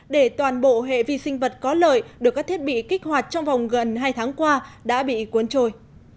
để toàn bộ hệ vi sinh vật có lợi được các thiết bị kích hoạt trong vòng gần hai tháng qua đã bị cuốn trôi